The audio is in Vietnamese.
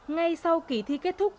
ngay sau kỳ thi kết thúc